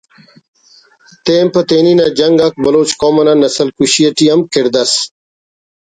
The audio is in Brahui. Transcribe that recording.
تین پہ تینی نا جنگ آک بلوچ قوم انا نسل کشی ٹی ہم کڑد اس